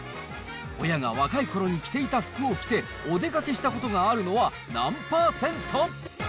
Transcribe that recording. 親が若いころに着ていた服を着て、お出かけしたことがあるのは何％？